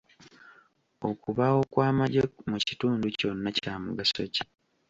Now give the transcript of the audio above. Okubaawo kw'amagye mu kitundu kyonna kya mugaso ki?